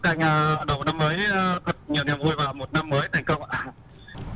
và một năm mới thành công ạ